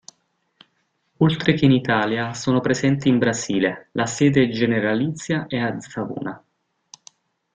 Oltre che in Italia, sono presenti in Brasile; la sede generalizia è a Savona.